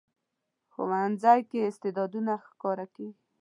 ښوونځی کې استعدادونه ښکاره کېږي